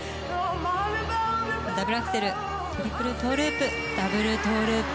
ダブルアクセルトリプルトウループダブルトウループ。